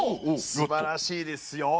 すばらしいですよ。